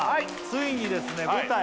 ついにですね舞台